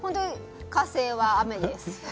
火星は雨です。